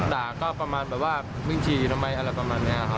ด่าก็ประมาณแบบว่ามิ้งชีอะไรประมาณเนี้ยครับ